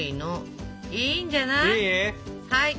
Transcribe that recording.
いいんじゃない？いい？